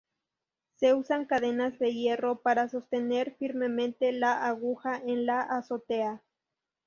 Se usan cadenas de hierro para sostener firmemente la aguja en la azotea.